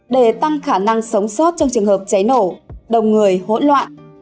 để tăng khả năng sống sót trong trường hợp cháy nổ đồng người hỗn loạn